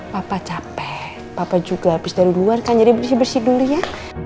papa capek papa juga habis dari luar kan jadi bersih bersih dulu ya